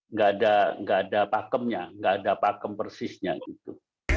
nggak ada pakemnya nggak ada pakem persisnya gitu